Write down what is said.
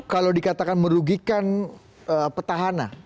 kalau dikatakan merugikan petahana